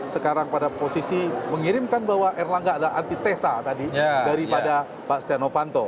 sekarang pada posisi mengirimkan bahwa erlangga adalah anti tesa tadi daripada pak stianowanto